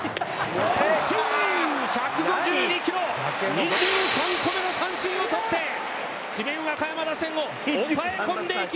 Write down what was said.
２３個目の三振をとって智弁和歌山打線を抑え込んでいきました奥川！